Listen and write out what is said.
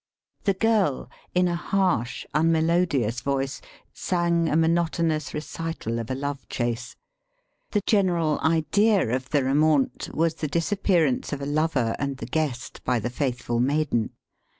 The girl in a harsh unmelodious voice sang a monotonous recital of a love chase. The general idea of the romaunt was the disappearance of a lover and the guest by the faithful maiden.